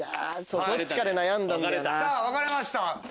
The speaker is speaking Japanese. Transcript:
さぁ分かれました。